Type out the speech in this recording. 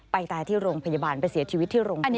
ตายที่โรงพยาบาลไปเสียชีวิตที่โรงพยาบาล